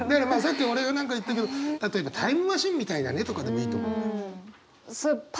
さっき俺が何か言ったけど例えば「タイムマシーンみたいだね」とかでもいいと思う。